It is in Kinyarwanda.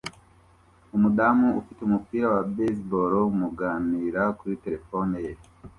umudamu ufite umupira wa baseball muganira kuri terefone ye